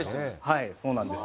はい、そうなんです。